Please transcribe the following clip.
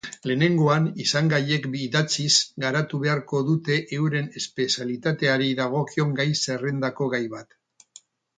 Lehenengoan izangaiek idatziz garatu beharko dute euren espezialitateari dagokion gai zerrendako gai bat.